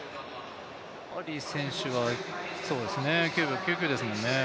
カーリー選手は９秒９９ですもんね。